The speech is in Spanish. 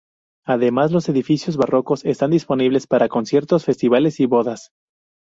Además, los edificios barrocos están disponibles para conciertos, festivales y bodas.